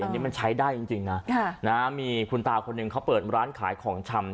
อันนี้มันใช้ได้จริงนะมีคุณตาคนหนึ่งเขาเปิดร้านขายของชำ